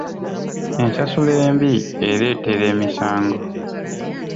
Ensasula embi ereetera emisango.